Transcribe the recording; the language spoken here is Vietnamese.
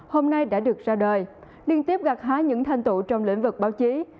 hôm nay đã được ra đời liên tiếp gạt hái những thanh tụ trong lĩnh vực báo chí